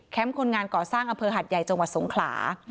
คนงานก่อสร้างอำเภอหัดใหญ่จังหวัดสงขลา